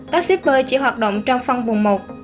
các shipper chỉ hoạt động trong phong vùng một